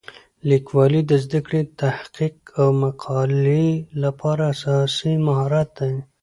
لیکوالی د زده کړې، تحقیق او مطالعې لپاره اساسي مهارت دی.